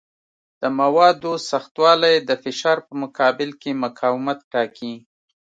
د موادو سختوالی د فشار په مقابل کې مقاومت ټاکي.